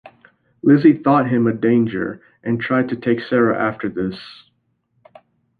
Lizzie thought him a danger, and tried to take Sarah after this.